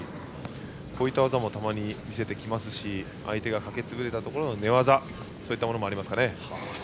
こういった技もたまに見せてきますし相手が潰れたところで寝技もありますね。